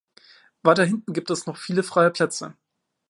Weiter hinten gibt es noch viele freie Plätze.